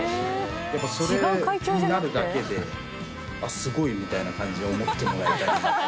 やっぱそれになるだけであっすごい！みたいな感じに思ってもらえたらいいな。